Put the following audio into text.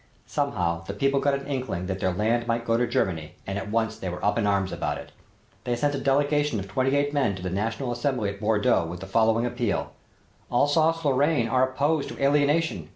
Somehow the people got an inkling that their land might go to Germany and at once they were up in arms about it. They sent a delegation of twenty eight men to the national assembly at Bordeaux with the following appeal: "Alsace Lorraine are opposed to alienation.